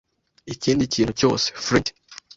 ikindi kintu cyose. Flint. ”